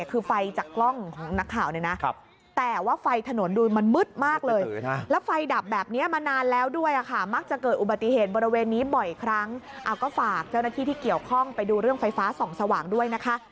ก็ฝากเจ้าหน้าที่ที่เกี่ยวข้องไปดูเรื่องไฟส่องสว่างด้วยนะคะ